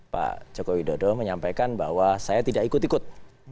pak jokowi dodo menyampaikan bahwa saya tidak ikut ikut